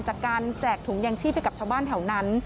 จากการแจกถุงแยงที่ไปกับชาวบ้านแถวนั้น